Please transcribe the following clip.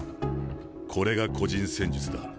これが個人戦術だ。